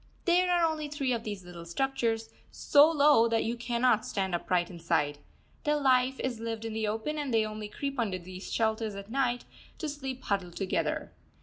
There are only three of these little structures, so low that you cannot stand upright inside. Their life is lived in the open, and they only creep under these shelters at night, to sleep huddled together.